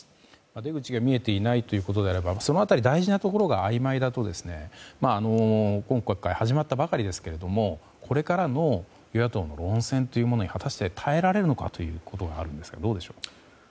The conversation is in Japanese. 出口が見えていないということであればその辺り大事なことがあいまいだと今国会、始まったばかりですがこれからの与野党の論戦に果たして耐えられるのかということがありますがどうでしょうか。